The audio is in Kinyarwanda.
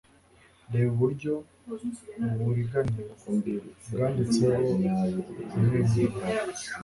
Reba uburyo uburiganya bwanditseho kumwenyura